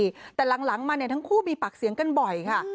แต่หลังมาเนี่ยทั้งคู่มีปากเสียงกันบ่อยค่ะ